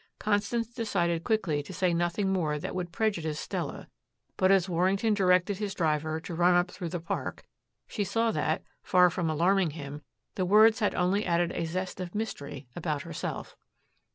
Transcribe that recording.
Constance decided quickly to say nothing more that would prejudice Stella, but as Warrington directed his driver to run up through the park she saw that, far from alarming him, the words had only added a zest of mystery about herself.